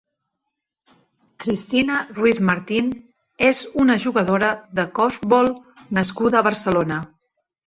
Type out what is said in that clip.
Cristina Ruiz Martin és una jugadora de corfbol nascuda a Barcelona.